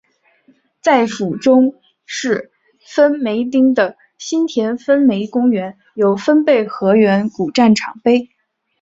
在府中市分梅町的新田川分梅公园有分倍河原古战场碑。